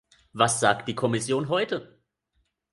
Was sagt die Kommission heute?